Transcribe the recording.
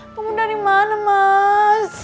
kamu dari mana mas